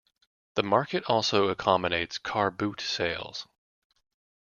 The market also accommodates car boot sales.